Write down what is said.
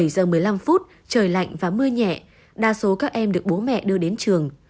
bảy giờ một mươi năm phút trời lạnh và mưa nhẹ đa số các em được bố mẹ đưa đến trường